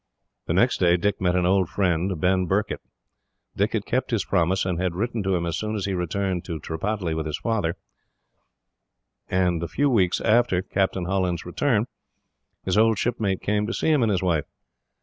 The next day Dick met an old friend, Ben Birket. Dick had kept his promise, and had written to him as soon as he returned to Tripataly with his father, and a few weeks after Captain Holland's return, his old shipmate came to see him and his wife.